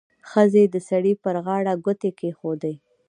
ښځې د سړي پر غاړه ګوتې کېښودې.